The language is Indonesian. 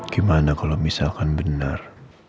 gimana kalau misalkan benar